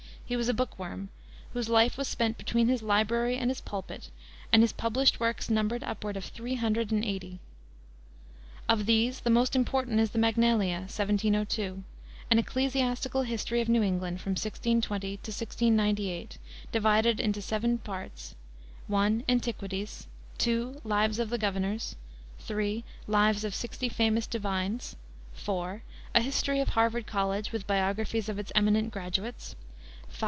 He was a book worm, whose life was spent between his library and his pulpit, and his published works number upward of three hundred and eighty. Of these the most important is the Magnalia, 1702, an ecclesiastical history of New England from 1620 to 1698, divided into seven parts: I. Antiquities; II. Lives of the Governors; III. Lives of Sixty Famous Divines; IV. A History of Harvard College, with biographies of its eminent graduates; V.